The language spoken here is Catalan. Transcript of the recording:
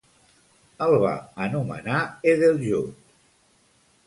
El va anomenar "Edeljude".